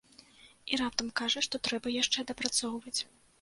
І раптам кажа, што трэба яшчэ дапрацоўваць.